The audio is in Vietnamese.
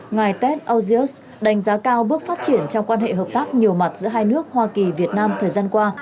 ngài tet auzios đánh giá cao bước phát triển trong quan hệ hợp tác nhiều mặt giữa hai nước hoa kỳ việt nam thời gian qua